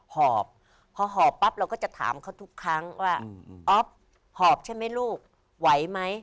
หอบพอหอบปั๊บเราก็จะถามเขาทุกครั้งว่าอ๊อฟหอบใช่ไหมลูกไหวไหม